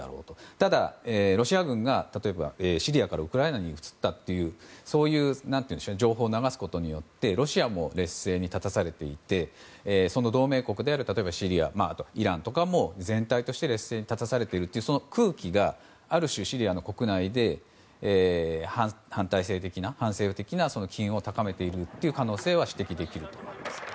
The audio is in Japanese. ただ、ロシア軍が例えば、シリアからウクライナに移ったというそういう情報を流すことでロシアも劣勢に立たされていてその同盟国であるシリア、イランとかも全体として劣勢に立たされている空気がある種、シリア国内で反体制的、反政府的な機運を高めているという可能性は指摘できると思います。